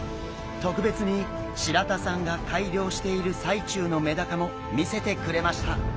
特別に白田さんが改良している最中のメダカも見せてくれました！